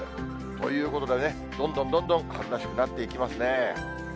ということでね、どんどんどんどん春らしくなっていきますね。